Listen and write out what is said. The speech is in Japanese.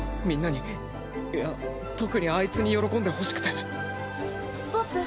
みんなにいや特にアイツに喜んでほしくて